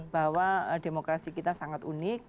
bahwa demokrasi kita sangat unik